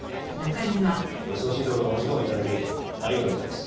お忙しいところお時間を頂きありがとうございます。